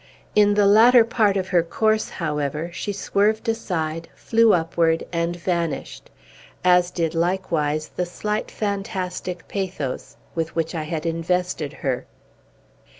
In the latter part of her course, however, she swerved aside, flew upward, and vanished, as did, likewise, the slight, fantastic pathos with which I had invested her.